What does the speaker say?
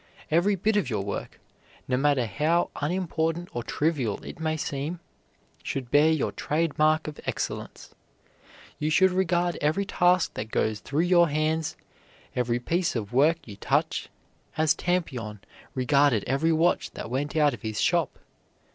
Every bit of your work, no matter how unimportant or trivial it may seem, should bear your trade mark of excellence; you should regard every task that goes through your hands, every piece of work you touch, as Tampion regarded every watch that went out of his shop.